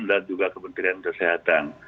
dan juga kementerian kesehatan